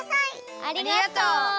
ありがとう！